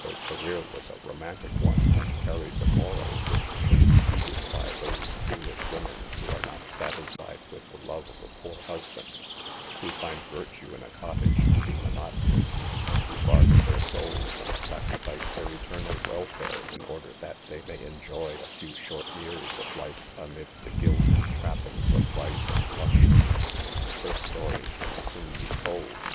Her career was a romantic one, and carries a moral which should be heeded by those foolish women who are not satisfied with the love of a poor husband, who find virtue in a cottage to be monotonous, and who barter their souls and sacrifice their eternal welfare in order that they may enjoy a few short years of life amid the gilded trappings of vice and luxury. Her story can soon be told.